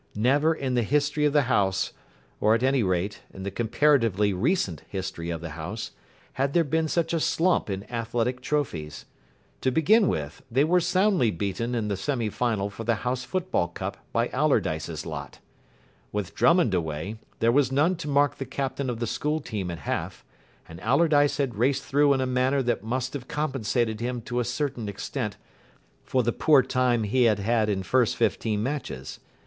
Never in the history of the house, or, at any rate, in the comparatively recent history of the house, had there been such a slump in athletic trophies. To begin with, they were soundly beaten in the semi final for the House football cup by Allardyce's lot. With Drummond away, there was none to mark the captain of the School team at half, and Allardyce had raced through in a manner that must have compensated him to a certain extent for the poor time he had had in first fifteen matches.